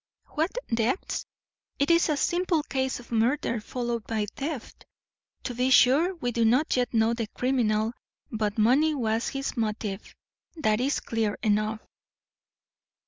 "What depths? It is a simple case of murder followed by theft. To be sure we do not yet know the criminal, but money was his motive; that is clear enough."